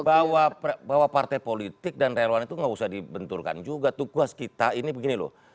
ini bang willy satu bahwa partai politik dan relawan itu gak usah dibenturkan juga tugas kita ini begini loh